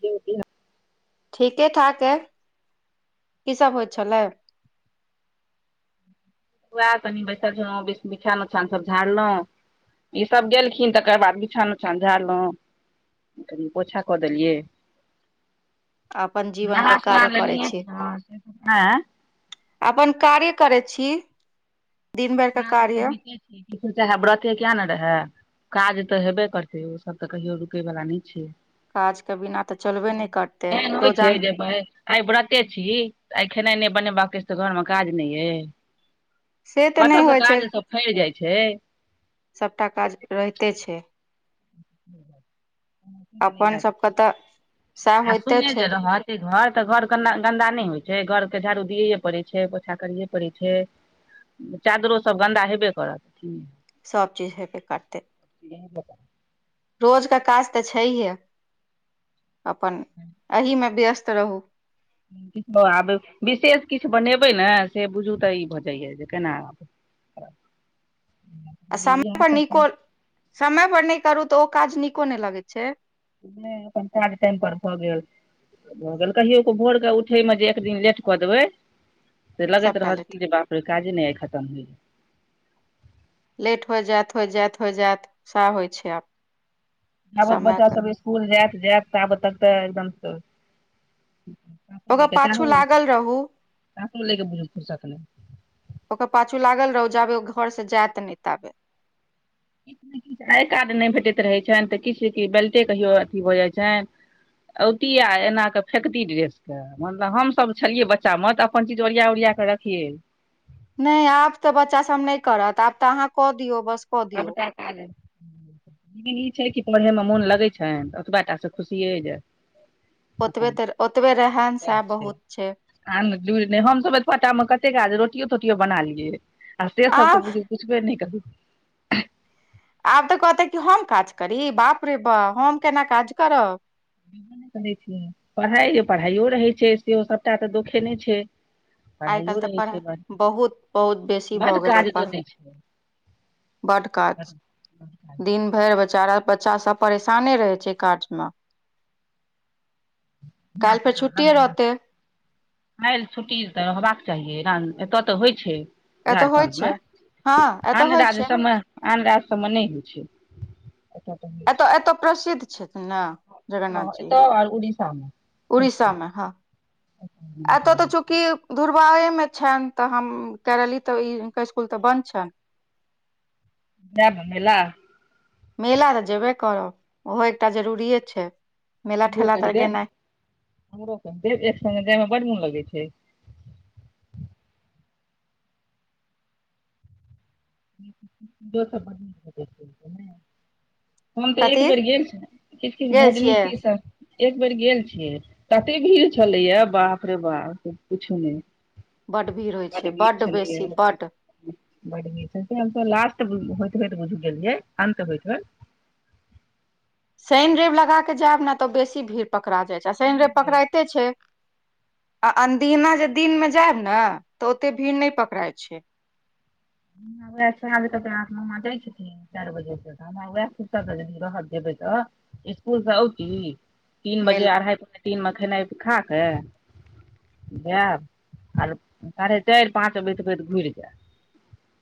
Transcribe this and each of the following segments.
ज [unintelligible] ठीके ठाक हइ, की सभ होइ छलै? वहा कनि बैसल अछान उठान सभ झाड़लहुँ ई सभ गेलखिन तकर बाद बिछान उछान झालो कनि पोछा कऽ देलियै। अपन जीवन के कार्य करै छी [unintelligible] आय अपन कार्य करै छै। काज तऽ होइते छै चाहे व्रते किया ने रहे। काज तऽ हेबे करतै ओसभ तऽ कहियो रुकै वला नहि छै। काजके बिना तऽ चलबे नहि करतै रोजान। भाय। आइ व्रते छी आइ खेनाइ नहि बनेबाक अछि। अछि तऽ घरमे काज नहि अइ से तऽ कतऽ नहि से होइ छै काज सभ फड़ जाइ छै। सभटा काज रहिते छै। अपन सभके तऽ सएह होइते सूने छै ज तहर। घर तऽ घर गन्दा नहि होइ छै, घरके झाड़ू दियए पड़े छै। पोछा करिये पड़ै छै। चादरो सभ गन्दा हेबे करत। सभ चीज हेपे करते रोज का काज तऽ छै हे अपन एहिमे व्यस्त रहू। कि आब विशेष किछु बनेबै ने से बुझू तऽ ई भऽ जाइया केना आब। [inaudible] आ समय इएह पर सब काज नीको समय पर नहि करू तऽ ओ काज नीको नहि लगैत छै। अपन चार टाइम पर भऽ गेल। भऽ गेल कहियो कऽ भोरके उठैमे जे एक दिन लेट कऽ देबै। से लगैत सभटा रहल लेट कजे बाप रे काजे नहि आइ खतम होइ। लेट हो जायइत हो जायइत हो जायइत सह होइ छै आब। आबत बच्चा समयके सभ स्कूल जायत जायत तबत तक तऽ एकदम। कऽ ओकर लैके पाछू चाहू लागल रहू कखन लैके बुझू फुरसत नहि। ओकर पाछू लागल रहौ जाबे घरसे जायत नहि ताबे। किछु किछु आय कार्ड नहि भेटैत रहैत छनि तऽ किछु क बेल्टे कहियो अथि भऽ जाइत छनि। औती आ एना कऽ फेकती ड्रेसके। मतलब हमसभ छलियै बच्चामे तऽ अपन चीज ओरिया ओरिया कऽ रखियै। नहि आब तऽ बच्चा सभ नहि करत आब तऽ अहाँ कऽ दियौ बस। कऽ अब दियौ तक। ई छै कि पढ़ैमे मोन लगै छनि, ओतबे टासँ खुशियै छै जे। ओतबे अपन तऽ ओतबे रहन सह बहुत छै। आ नहि, हमसभ फोटोमे कतेक आ रोटियो-टोटियो बना लियै आ से सभ आब तऽ बुझै छी। किछु बेर ने कभू। आब तऽ कहते कि हम काज करी बाप रे बाप हम केना काज करब। करै छियै पढ़ाइ पढ़ाइयो रहै छै से सभटा तऽ दुोखे नहि छै। आइ पढ़ाइयो काल्हि तऽ रहै पढ़ा छै बड बहुत बहुत बेसी भऽ बड गेलै काज दऽ पढ़ा। दै छै बड़ काज। लगैया दिन भरि बेचारा बच्चा सभ परेशाने रहे छै काज मे। कल फेर छुट्टी हे रहते। खइ छुट्टी तऽ रहबाक चाहीना एतय तऽ होइ छै। एतऽ होइ छै झारखण्डमे हँ एतऽ ने होइ राज छै सभमे आनर सभमे नहि होइ छै। एतय एतय एतय प्रसिद्ध छथि ने जगन्नाथ ए जी त आ उड़ीसामे उड़ीसा मे हँ एत त चूकि दुर्बारे मे छनि त हम कर रहली तऽ स्कूल त बन्द छनि [inaudible] नहि भनै ल मेला त जेबे करब ओहो एकटा जरूरिेए छै मेला हमरो ठेला कहि तऽ देब गेनाइ हमरो कहि देब एक संगे जायमे बड मोन लगै छै ढ़ [unintelligible] हम त एक कथी बेर गेल छ किछु किछु गेल छियै भजनीकी एक बेर गेल छियै तते भीड़ छलै या बाप रे बाप पुछु नहि बड भीड़ होइ बड छै भीड़ बड्ड छलैया बेसी बड्ड बड न छै हम त लास्ट होइत हो तो बुझ गेलियै अन्त होइत हो शनि रैब लगा कऽ जायब ने तऽ बेसी भीड़ पकड़ा जाइत छै आ शनि भीड़ रैव रहै पकड़इते छै आ अनदिना जे दिन मे जायब ने त ओते भीड़ नहि पकड़इ छै आब त आठ नाँ जाइ छिय चार बजे एह रहत देबै त स्कूल स अउति तीन मेला बजे अढ़ाइ बजे दिनमे खेनाइ खा क जायब आर साढ़े चारि पाँच अबैत बैत घुरि जायब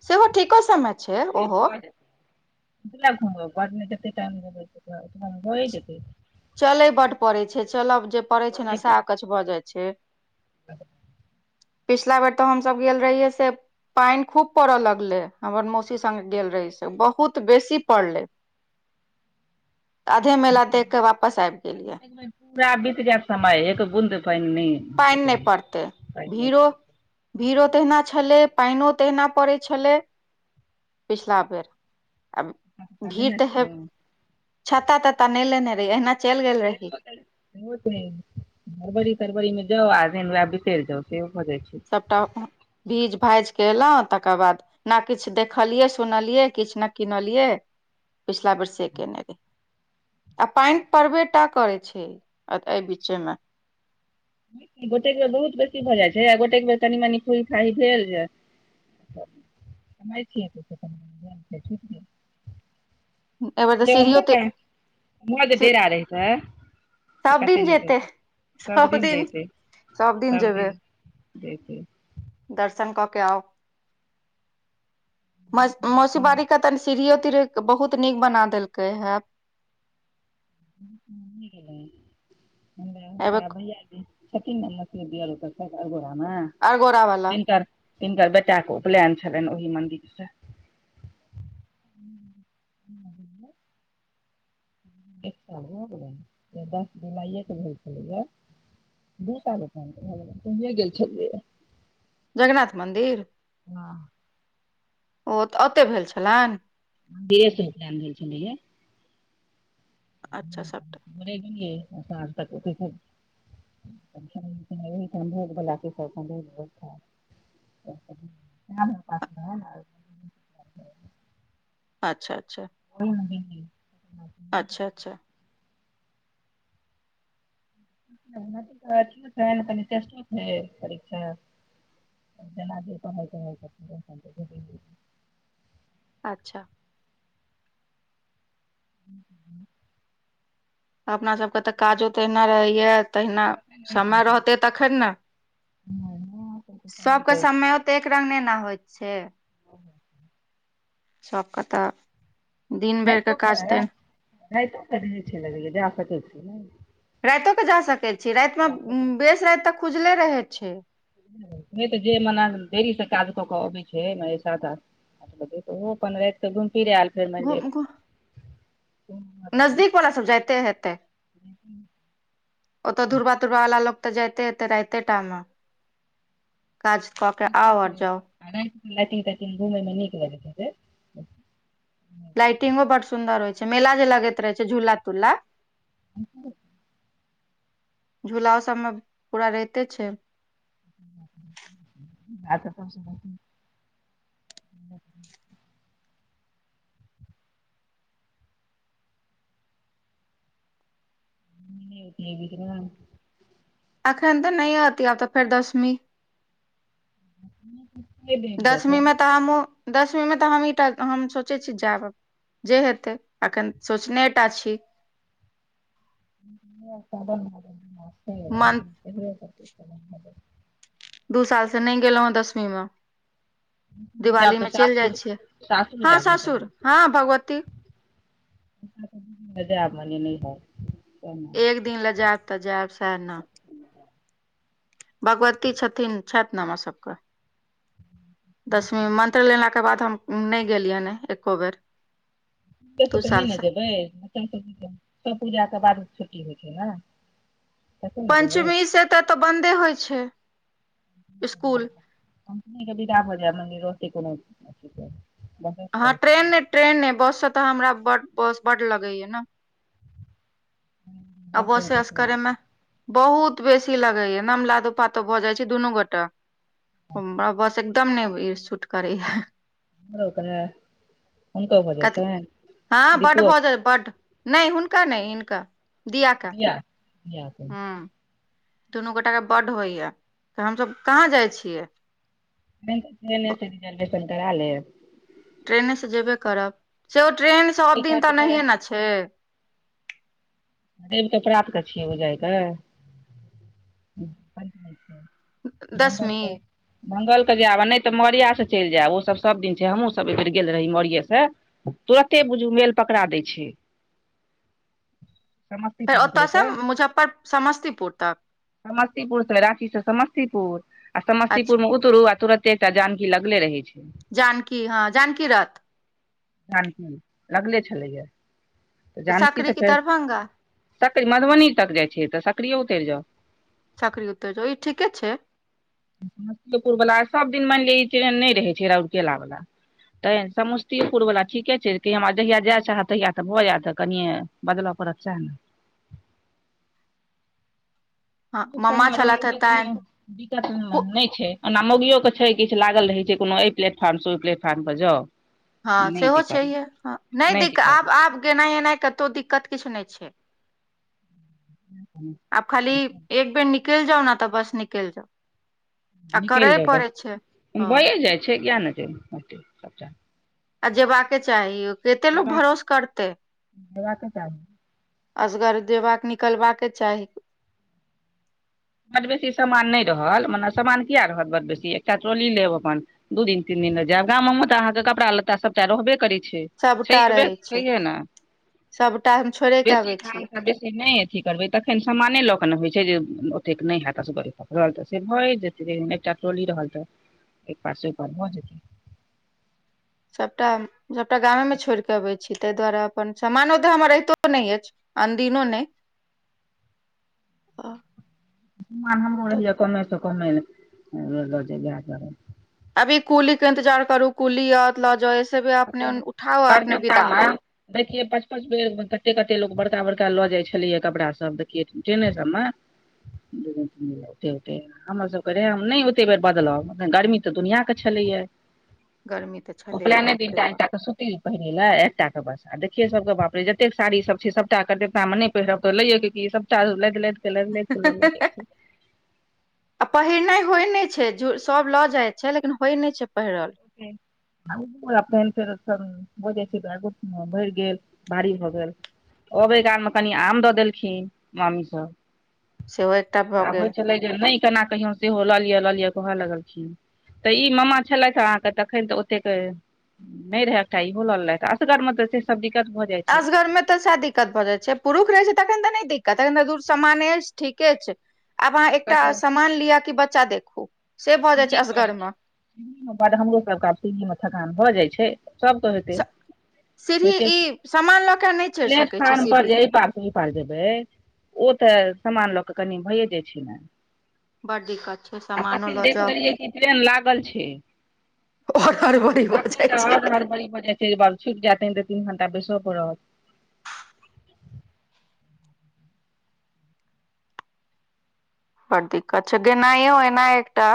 सेहो ठीको समय छै ओहो घ घटत टाइम [unintelligible] [unintelligible] ल अतवे मे भएजेतै चलय बड पड़ै छै चलब जे पड़ै छै ने सेह अकछ भ जाइ छै ह [inaudible] पिछला बेर त हमस गेल रहियै से पाइन खूब पड़य लगले हमर मौसी संगेगेल रहहि से बहुत बेसी पड़ले आधे मेला देख के वापस आबि गेलियै पूरा बीत गयके समय एक बूद फैनी पानि नहि पड़तै भीड़ो भीड़ो तहिना छलै पानिो तहिहना पड़ै छलै पिछलाबेर अ छै भीड़ लेने तऽ हे छलहुँ छ्ता त्तता नहि लेने रही अहिना चलि गेल रही हरबरी तरवरीमे जाउ आ वएह बिसरि जाउ सेहो भजै छै सबटा भीज भाइज के एलहुँं तकर बाद न किछु देखलियै सुनलियै किछु ने किनलियै पिछला बेर से केने रे आ पानि परड़बेटा करै छै एहि बीचे मे गोटेक बेर बहुत बेसी भ जाइत छै गोटेक बेर कनी मनी फू फाही भेल जाय समै एहिबेर तऽ सीढ़ियो ते उम्र जे ढेरा रहीतै त सब कते दिन नीक जेतै हेतै सब सभदिन दिन जैतै सब सभ जेबै दिन जैतै दर्शन क के आउ मौसी बारी क तनी सीढ़िययो तीढ़ियो बहुत नीक बना देलकै हे [unintelligible] गेल गेल हम हनक एहिबेर भैआी अरगोड़ा वाला [unintelligible] [unintelligible] तीनकर बेटा क उपलैन छलै ओहि मन्दिरसँ एकटा भऽ गेलै दस जोलाइये के होइ छलै है बूल तिय गेल छल जगन्नाथ मन्दिर वाह ओ ओतय भेल छलनि देर से उपलेन भेल छेलैये अच्छा सबटा रे गेलिय सझ तकत [unintelligible] हि तन भोग बला के सौक भोग बठा [unintelligible] [unintelligible] प अच्छा अच्छा ओ [unintelligible] अच्छा अच्छा त छै परीक्षा जेना जे कहै कहै छथि अच्छा ह [inaudible] अपना सब सबके तऽ काजो तहिना रहैये तहिना भेटैये समय रहते तखन ने समय सबके के समयो तऽ एक रंग नै ने होइत छै ओ [inaudible] सब कतऽ [unintelligible] जा सकै छी रातिओ क जा सकैत छी रातिमे जा सकै छी बेस राति तक खुजले रहै छै नहि तऽ जे मना देरी से काज कऽ के अबैत छै ने एहि सात आठ देख ओहो अपन रात कऽ घुम फिर आयल फेर मानि ले घुम घु नजदीक वाला सब जाइते हेतै [inaudible] ओतऽ दूरबा तूरबा वाल लोकोगऽ जायते राइते टाइम मे काज कके आउ आर जाउ ल त घुमय मे नीक लगैत ह लाइटिंगो बड्ड सुन्दर होइ छै मेला जे लगैत रहे छै झूला तूला झूला उसबमे पूरा रहिते छै ह [inaudible] आ तऽ सु [unintelligible] बुदरा [unintelligible] अखन तऽ नहि होती आब तऽ फेर दसवीं दसमी मे तऽ हमहूँ दसवीं मे तऽ हमहींटा हम सोचै छी जायब जे हेतै अखन सोचने टा छी म मन [unintelligible] दू साल से नहि गेलहुँ हं दसवीं मे [unintelligible] जाब दिवाली तऽ मे चलि जाइ सासुर छियै सासुर हँ जैब ने सासुर पहिले हँ भगवती जा मने न [unintelligible] हि हय एक दिन ले जायब तऽ जायब सएह ने भगवती छथिन छथि ने हमर सभके दसमीमे मन्त्र लेलाके बाद हम नहि गेलियैन ए एक्को बेर तऽ दू नहि साल ने से जेबै सभ पूजाके बाद छुट्टी होइ छै ने तखन ने जेबै पञ्चमीसँ तऽ बन्दे होइ छै स्कूल पंचमी के बिदा भ जेब [unintelligible] हँ ट्रेन ने ट्रेन बस से तऽ हमरा बड बस बड्ड लगैया ने आ रहतै बसे देख अस लेबै करेमे तऽ बहुत बेसी लगैया नम लादो पातो भऽ जाइ छै दुनू गोटा बस एकदम नहि सूट करै ये हमरो कहे हुनको भऽ जाइ कथि छनि हँ बड दीपो बहुत बड्ड नहि हुनका नहि हिनका दिया के य [inaudible] हँ दुनू गोटा के बड्ड होइया हमसब कहाँ जाइ छियै ब- [unintelligible] करा लेब ट्रेने से जेबे करब से ओ ट्रेन से सब दिन टिकट तऽ के नहिए ने छै रवि कऽ प्रातके छियै ओ जाइके मंगल दसमी [inaudible] मंगलके जायब आ नहि तऽ मरिया से चलि जायब ओसभ सभ दिन छै हमहूँसभ एहि बेेर गेल रही मरए से तुरते बुझू मेल पकड़ा दै छै फेर समस्तीपुर उतरि ओतऽ सँ के मुजफ्फर समस्तीपुर तक समस्तीपुर से राचीसँ समस्तीपुर आ अच्छा समस्तीपुरमे तुरू आ तुरते एकटा जानकी लगले रहै छौ जानकी हँ जानकी रथ जानकी लगले छलैए तऽ जानकी सकरी सँ की फेर दरभंगा सकरी मधुबनी तक जाइ छै तऽ सकरीये उतरि जाउ सकरी उतरि जाउ ओहि ठीके छै समस्तीेपुरवला सभदिन मानि लिअ ई ट्रेन नहि रहैत छै रौर केला वला त समस्तीपुर वला ठीके छै हमरा जहिया जाइ चाहत तहिया तऽ भऽ जायत कनिये बदलय परत छै न [inaudible] मामा छलथि हे तैं [inaudible] नहि छै ओना मौगियो के छै, किछु लागल रहै छै कोनो एहि प्लेटफार्म से ओहि प्लेटफार्म पर जाउ। हँ, नहि सेहो दिक्कत छैहे। हँ, नहि दिक्कत आब। आब गेनाइ-अएनाइ कतहु दिक्कत किछु नहि छै। [unintelligible] आब खाली एक बेर निकल जाउ न तऽ बस निकल जाउ आ निकलि करय जाउ पड़ै बस छै हँ भइए जाइ छै किए नहि छै हते सबटा आ जेबाक चाही, कते लोक देबाक भरोसा करते। देबाके चाही असगर देबाक निकलबाका के चाही बड बेसी सामान नहि रहल मने सामान किए रहलत बड बेसी एकटा ट्रोली लेब अपन दू-तीन दिन गाम जायब तऽ अहाँक कपड़ा-लत्ता सबटा रहबै करई छै सभटा कम बेस रहै छै ने, सभटा हम छोड़े के बेसी आबै छियै खला बेसी नहि। अथी करबै तखन सामाने लऽ कऽ ने होइत छै जे त नहि हेत असगरई पकड़ल तऽ से भए जेतै एकटा टोली रहल तऽ इ पार स उ पार भ जेते सबटा गामे में छोड़ि कऽ अबै छी तै दुआरे अपन समानो तऽ हमर रहितो नहि अछि अनदिनो ने समान हमरो रहिए कमे से कमे लऽ जे इएह दुआरे अभी कुलीक के इंतजार करू, कुली आएत तऽ लऽ जाउ। एना अपने उठाउ, अपने विदा हो। देखियए पाँच पाँच बेर कते कते लोक बड़का बड़का लऽ जाइ छलैय कपरा सब देखियै ट्रेने सबमे [unintelligible] हमरसभके रहै नहि ओतेक बेर बदलब गर्मी तऽ दुनिआँके छलैएा गरमी तऽ छले बाप रे बाप एकटा के सूती पहिरै लए एकटााके बस आ देखियै सबके बाप रे जतेक साड़ी सब छै सभटाेतमे नहि पेहरब त लेयक की सबटा लाईघ लाईघ बाप क आ पहिरनाइ होइ नहि छै सभ लऽ जाइत छै लेकिन होइ नहि छै पहिरल [unintelligible] फेर बैग भरि गेलै, बहुत भारी भऽ गेलै अबै काइल मे कनि आम दऽ देलखिन मामीसभ सेहो एकटा भऽ गेल नहि केना कहियो सेहो लऽ लिअ लऽ लिअ कहऽ लगलखिन तऽ ई मामा छलथि तखन तऽ ओते नहि रहे एकटा इहो ललथि असगर मे तऽ सब दिक्कत भऽ जाइ छै आसगर मे तऽ शादी दिक्कत भऽ जाइ छै पुरुष रहे छै तखन तऽ नहि दिक्कत तखन तऽ दूर समान छै ठीके छै आब अहाँ एकटा कतौ समामान लिअ कि बच्चा देखू से भऽ जाइ छै असगर मे सिढ़िमे हमरो सभके आब सिढ़िमे थकान भऽ जाइ छै। सबक होेइतै सीढ़ी होइते ई छै सामान लऽ के नहि चढ़ि सकैत छी प्लेटफार्म पर सीढ़ी जे ऐपार जे ओयपार जेबे ओ तऽ समान लऽ के कनि भइए जाइ छै ने बड दिक्कत छै आ सामानो लऽ देख जाउ लेलियै कि ट्रेन लागल छै आओर हड़बड़ी भऽ तखैन त जाइ छै आओर हरबरी भड जाय छै छुटि जेत तऽ तीन घंटा बैसअ परत बड़ दिक्कत छै गेनाइयो एना एकटा।